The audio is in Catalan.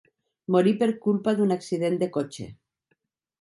Morí per culpa d'un accident de cotxe.